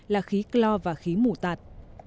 là khí clor và khí mù tạt